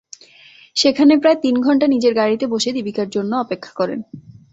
সেখানে প্রায় তিন ঘণ্টা নিজের গাড়িতে বসে দীপিকার জন্য অপেক্ষা করেন।